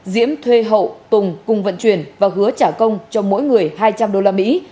diễm thuê hậu tùng cùng vận chuyển và hứa trả công cho mỗi người hai trăm linh đô la mỹ